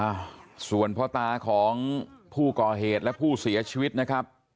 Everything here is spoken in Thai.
หลังเกิดเหตุและผู้เสียชีวิตนะครับ